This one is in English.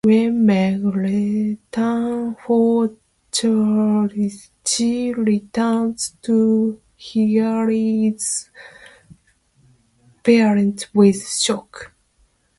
When Meg returns from church, she reacts to Hilary's presence with shock.